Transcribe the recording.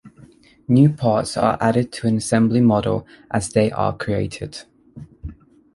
New parts are added to an assembly model as they are created.